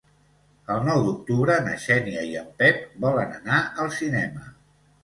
El nou d'octubre na Xènia i en Pep volen anar al cinema.